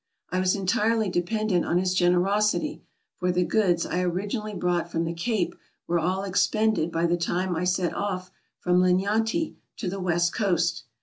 I was entirely dependent on his generosity, for the goods I originally brought from the Cape were all expended by the time I set off from Linyanti to the west coast.